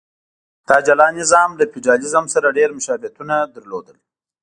دا جلا نظام له فیوډالېزم سره ډېر مشابهتونه لرل.